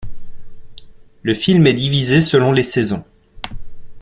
Le film est divisé selon les saisons.